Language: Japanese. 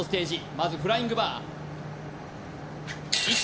まずフライングバー